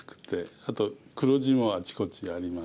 あと黒地もあっちこっちありまして。